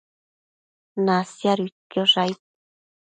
Nasiaduidquiosh aid